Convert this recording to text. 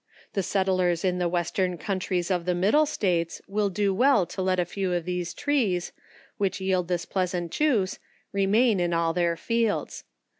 The set tlers in the western counties of the middle states will do well to let a few of the trees which yield this pleasant juice, remain in all their fields.